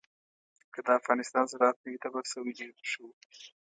که د افغانستان زراعت نه وی تباه شوی ډېر به ښه وو.